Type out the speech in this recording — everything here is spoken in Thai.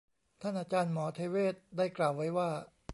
ท่านอาจารย์หมอเทเวศได้กล่าวไว้ว่า